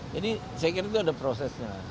jadi saya kira itu ada prosesnya